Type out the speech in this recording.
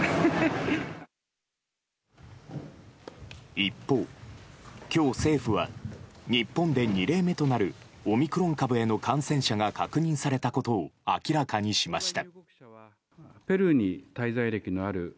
一方、今日政府は日本で２例目となるオミクロン株への感染者が確認されたことを明らかにしました。